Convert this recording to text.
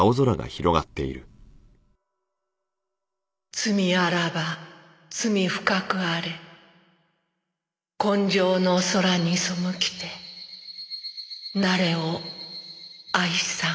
「罪あらば罪ふかくあれ紺青の空に背きて汝を愛さん」